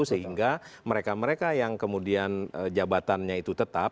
sehingga mereka mereka yang kemudian jabatannya itu tetap